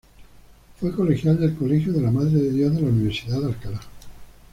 Fue colegial del Colegio de la Madre de Dios de la Universidad de Alcalá.